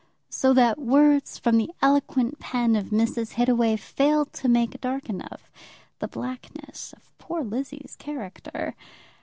So that words from the eloquent pen of Mrs. Hittaway failed to make dark enough the blackness of poor Lizzie's character.